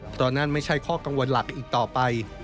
เพราะนั่นไม่ใช่ข้อกังวลหลักอีกต่อไป